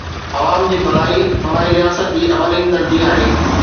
عوام جي ڀلائي فلاحي رياست جي اولين ترجيح آهي.